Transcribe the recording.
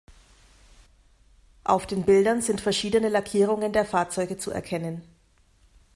Auf den Bildern sind verschiedene Lackierungen der Fahrzeuge zu erkennen.